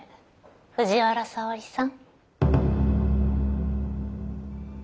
藤原沙織さん。